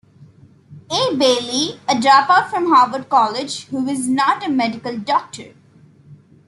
A. Bailey, a dropout from Harvard College, who was not a medical doctor.